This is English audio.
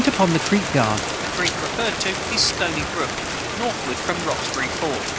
[Footnote 173: The creek referred to is Stony brook, northward from Roxbury fort.